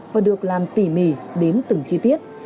và được làm tỉ mỉ đến từng chi tiết